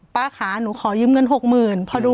ป้าคะหนูขอยืมเงินหกหมื่น